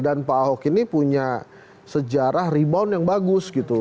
dan pak ahok ini punya sejarah rebound yang bagus gitu